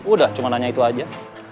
udah cuma nanya itu aja